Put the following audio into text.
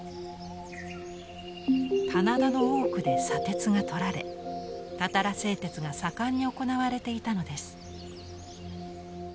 棚田の多くで砂鉄がとられたたら製鉄が盛んに行われていたのです。